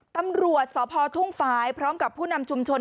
ตำรวจสพทุ่งฟ้ายพร้อมกับผู้นำชุมชน